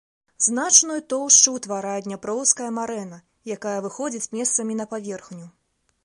Значную тоўшчу ўтварае дняпроўская марэна, якая выходзіць месцамі на паверхню.